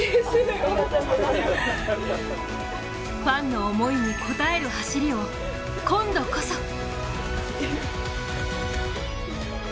ファンの思いに応える走りを今度こそ。